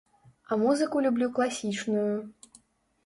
А музыку люблю класічную.